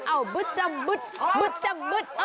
เอาบึดจำบึดอ่ะบึดจำบึดอ่ะ